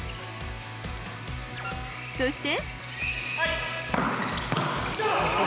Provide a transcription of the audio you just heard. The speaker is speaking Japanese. そして。